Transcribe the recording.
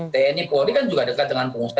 tni polri kan juga dekat dengan pengusaha